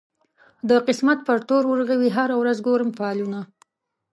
د قسمت پر تور اورغوي هره ورځ ګورم فالونه